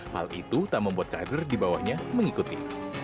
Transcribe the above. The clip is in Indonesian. hal itu tak membuat kader di bawahnya mengikuti